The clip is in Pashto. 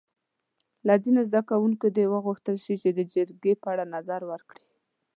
له ځینو زده کوونکو دې وغوښتل شي چې د جرګې په اړه نظر ورکړي.